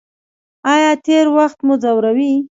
ایا تیر وخت مو ځوروي؟